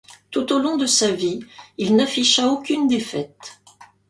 Tout au long de sa vie, il n'afficha aucune défaite.